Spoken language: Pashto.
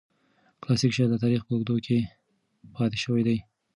کلاسیک شعر د تاریخ په اوږدو کې پاتې شوی دی.